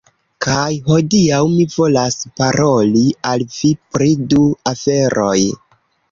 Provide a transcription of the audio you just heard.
Kaj hodiaŭ mi volas paroli al vi pri du aferoj.